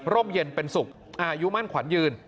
เย็นเป็นสุขอายุมั่นขวัญยืน